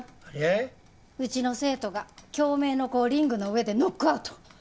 うちの生徒が京明の子をリングの上でノックアウト！